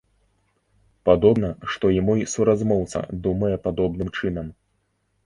Падобна, што і мой суразмоўца думае падобным чынам.